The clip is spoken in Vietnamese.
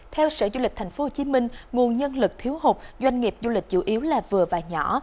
theo sở du lịch tp hcm nguồn nhân lực thiếu hụt doanh nghiệp du lịch chủ yếu là vừa và nhỏ